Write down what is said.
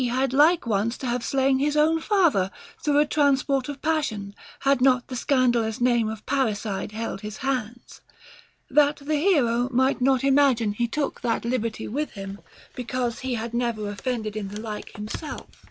151 had like once to have slain his own father through a trans port of passion had not the scandalous name of parricide held his hands ;* that the hero might not imagine he took that liberty with him because he had never offended in the like kind himself.